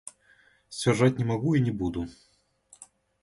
Сцвярджаць не магу і не буду.